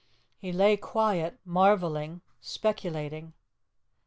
He lay quiet, marvelling, speculating.